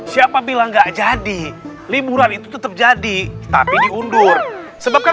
siapa bilang enggak jadi liburan itu tetap jadi tapi diundur sebabkan